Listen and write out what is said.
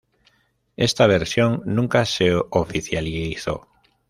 Esta versión nunca se oficializó.